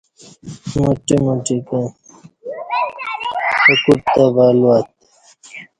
مٹمٹہ کہ ا کوٹ تہ ولو اتےّ